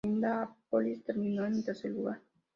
En Indianápolis terminó en tercer lugar.